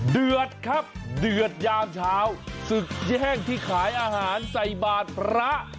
เดือดครับเดือดยามเช้าศึกแย่งที่ขายอาหารใส่บาทพระ